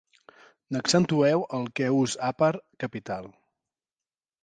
N'accentueu el què us apar capital.